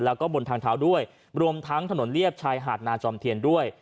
แล้วก็บนทางเท้าด้วยรวมทั้งถนนเรียบชายหาดนาจอมเทียนด้วย